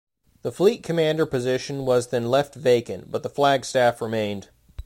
The fleet commander position was then left vacant, but the flag staff remained.